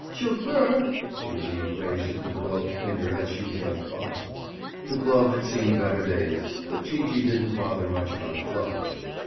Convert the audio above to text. "Chauffeur!" Gee gee raised a begloved finger as she hailed Bob. The glove had seen better days, but Gee gee didn't bother much about gloves.